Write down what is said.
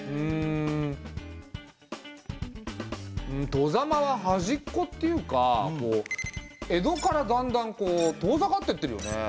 外様は端っこっていうか江戸からだんだん遠ざかってってるよね。